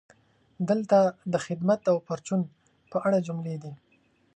دلته د "خدمت او پرچون" په اړه جملې دي: